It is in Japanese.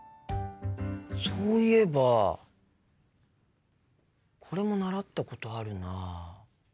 そういえばこれも習ったことあるな。